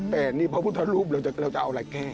แต่นี่พระพุทธรูปเราจะเอาอะไรแก้